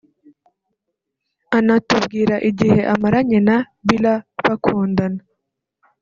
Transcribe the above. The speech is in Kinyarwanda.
anatubwira igihe amaranye na Bilha bakundana